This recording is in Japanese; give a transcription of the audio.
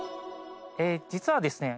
実はですね